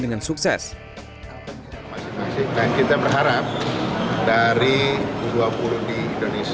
dengan sukses kita berharap dari dua puluh di indonesia ini akan lahir pemain pemain top dunia seperti